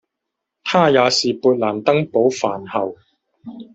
他也是勃兰登堡藩侯。